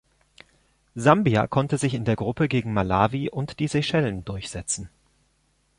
Sambia konnte sich in der Gruppe gegen Malawi und die Seychellen durchsetzen.